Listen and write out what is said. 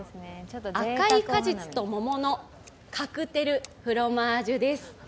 赤い果実と桃のカクテルフロマージュです。